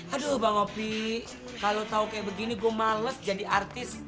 aduh bang opi kalau tahu kayak begini gue males jadi artis